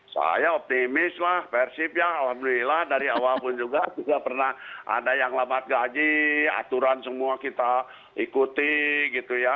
saya optimis lah persib ya alhamdulillah dari awal pun juga pernah ada yang lambat gaji aturan semua kita ikuti gitu ya